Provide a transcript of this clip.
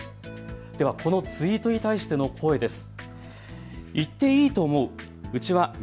では、このツイートに対しての声です。